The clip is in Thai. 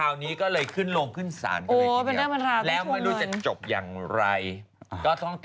อ้วะเลยคืนแค่๑๑๐๐๐หยวน